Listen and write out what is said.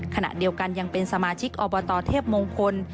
ขณะเดียวกันยังเป็นสมาชิกอบตเทพมงคล